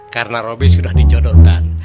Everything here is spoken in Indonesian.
karena robi sudah dicodohkan